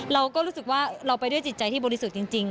เราก็รู้สึกว่าเราไปด้วยจิตใจที่บริสุทธิ์จริง